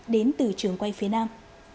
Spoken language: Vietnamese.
đến từ trường quay phía nam